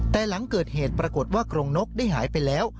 แต่หลังเกิดเหตุปรากฏว่ากรงนกได้หายไปแล้ว